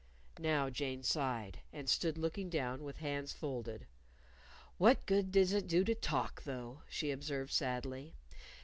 Now Jane sighed, and stood looking down with hands folded. "What good does it do to talk, though," she observed sadly.